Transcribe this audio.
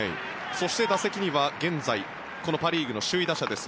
そして、打席には現在、このパ・リーグの首位打者です。